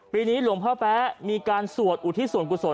ปีนี้หลวงพ่อแป๊ะมีการสวดอุทิศส่วนกุศล